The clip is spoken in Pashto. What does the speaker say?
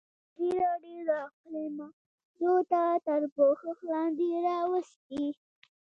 ازادي راډیو د اقلیم موضوع تر پوښښ لاندې راوستې.